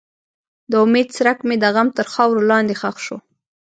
د امید څرک مې د غم تر خاورو لاندې ښخ شو.